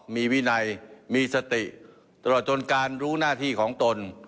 มีวินัยมีสติตลอดจนการรู้หน้าที่ของตน